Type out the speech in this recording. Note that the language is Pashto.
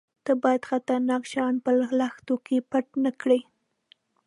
_ته بايد خطرناکه شيان په لښتو کې پټ نه کړې.